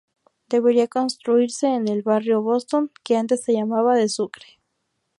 Debería construirse en el barrio Boston que antes se llamaba de Sucre.